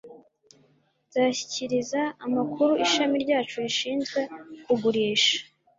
nzashyikiriza amakuru ishami ryacu rishinzwe kugurisha